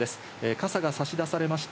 傘がさし出されました。